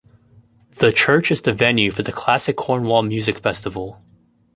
The church is the venue for the "Classic Cornwall" music festival.